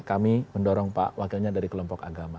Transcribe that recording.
kami mendorong pak wakilnya dari kelompok agama